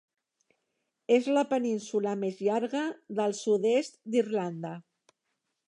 És la península més llarga del sud-est d'Irlanda.